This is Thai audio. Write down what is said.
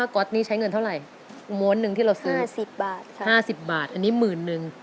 ก๊อตนี้ใช้เงินเท่าไหร่ม้วนหนึ่งที่เราซื้อ๕๐บาท๕๐บาทอันนี้หมื่นนึง